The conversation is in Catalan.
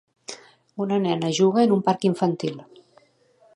Una nena juga en un parc infantil